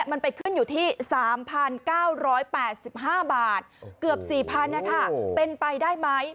มันไปขึ้นอยู่ที่๓๙๘๕บาทเกือบ๔๐๐นะคะเป็นไปได้ไหม